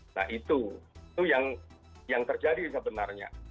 nah itu itu yang terjadi sebenarnya